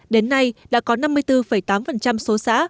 đến nay đã có năm mươi bốn tám số xã